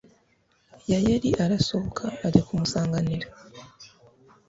yayeli arasohoka ajya kumusanganira